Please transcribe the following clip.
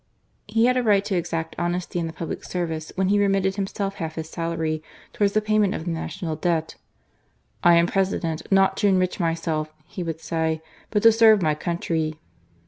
He had a right to exact honesty in the public service, when he remitted himself half his salary towards the payment of the national debt. " I am President, not to enrich myself," he would say, " but to serve my country."